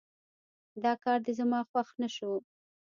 دا کار دې زما خوښ نه شو